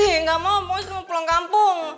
enggak mau pokoknya sri mau pulang kampung